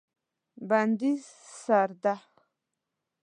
بندي سرده